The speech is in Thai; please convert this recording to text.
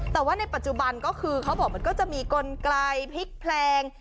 แต่ว่าในปัจจุบันก็คือเขาบอกมันก็จะมีกลไกลพลิกแพลง